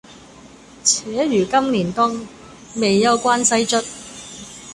且如今年冬，未休關西卒。